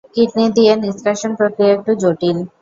Kidney দিয়ে নিষ্কাশন প্রক্রিয়া একটু জটিল।